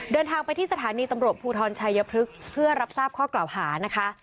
เดินทางไปที่สถานีตำรวจภูทรชายพฤกษ์เพื่อรับทราบข้อกล่าวหานะคะ